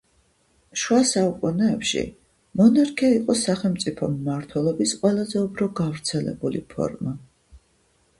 შუა საუკუნეებში მონარქია იყო სახელმწიფო მმართველობის ყველაზე უფრო გავრცელებული ფორმა.